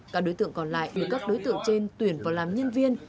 các đối tượng còn lại được các đối tượng trên tuyển vào làm nhân viên